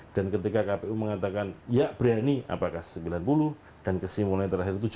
dan ketika kpu mengatakan ya berani apakah sembilan puluh dan kesimulan yang terakhir tujuh puluh lima